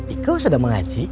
iko sudah mengaji